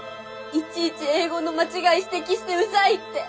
いちいち英語の間違い指摘してうざいって。